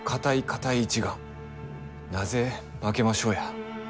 なぜ負けましょうや。